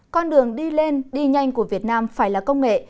con đường đi lên đi nhanh của việt nam phải là công nghệ